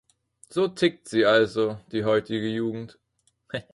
So tickt sie also, die heutige Jugend.